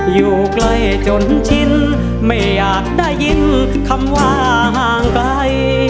อยู่ใกล้จนชิ้นไม่อยากได้ยินคำว่าห่างไกล